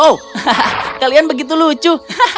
oh kalian begitu lucu